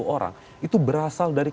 orang itu berasal dari